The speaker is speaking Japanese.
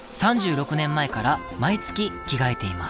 ３６年前から毎月着替えています。